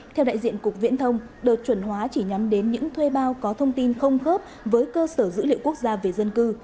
theo đại diện cục viễn thông đợt chuẩn hóa chỉ nhắm đến những thuê bao có thông tin không khớp với cơ sở dữ liệu quốc gia về dân cư